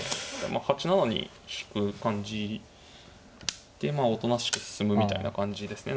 ８七に引く感じでまあおとなしく進むみたいな感じですね。